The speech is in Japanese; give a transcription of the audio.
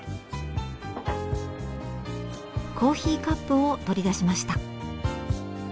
コーヒーカップを取り出しました。